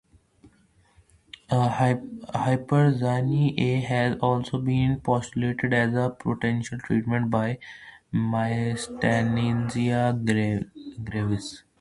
Huperzine A has also been postulated as a potential treatment for myasthenia gravis.